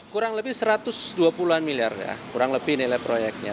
kurang lebih satu ratus dua puluh an miliar ya kurang lebih nilai proyeknya